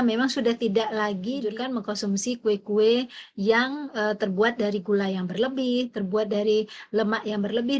memang sudah tidak lagi mengkonsumsi kue kue yang terbuat dari gula yang berlebih terbuat dari lemak yang berlebih